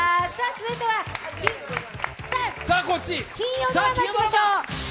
続いては金曜ドラマいきましょう。